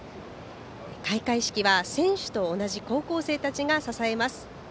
開会式は選手と同じ高校生たちが支えます。